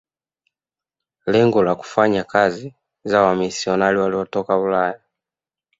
Lengo la kufanya kazi za wamisionari waliotoka Ulaya